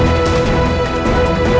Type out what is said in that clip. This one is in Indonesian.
masa yang terakhir